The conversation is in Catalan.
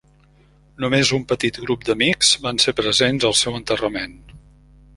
Només un petit grup d'amics van ser presents al seu enterrament.